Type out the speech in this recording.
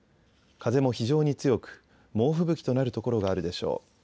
風も非常に強く猛吹雪となる所があるでしょう。